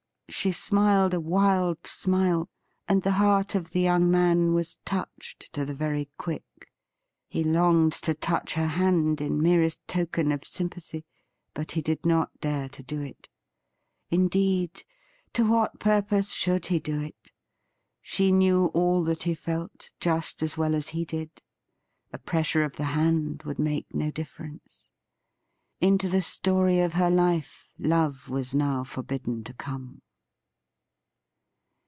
She smiled a wild smile, and the heart of the young man was touched to the very quick. He longed to touch her hand in merest token of sympathy, but he did not dare to do it. Indeed, to what purpose should he do it.'' She knew all that he felt just as well as he did. A pressure of the hand would make no diiFerence. Into the story of her life love was now forbidden to come.